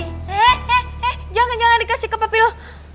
eh eh eh jangan jangan dikasih ke papi lo